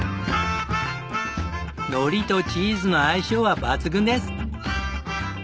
海苔とチーズの相性は抜群です！